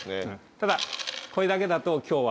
ただこれだけだと今日は。